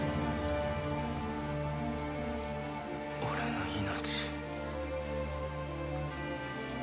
俺の命。